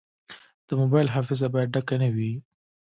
د موبایل حافظه باید ډکه نه وي.